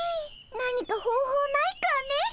何か方法ないかね。